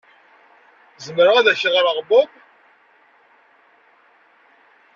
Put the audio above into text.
Zemreɣ ad ak-ɣreɣ Bob?